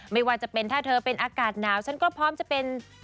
ไม่ว่าจะเป็นถ้าเธอเป็นอากาศหนาวฉันก็พร้อมจะเป็น